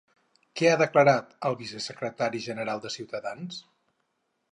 Què ha declarat el vicesecretari general de Ciutadans?